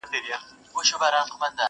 نصیب د جهاني په نوم یوه مینه لیکلې!